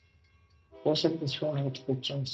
The rest of the tour had to be cancelled.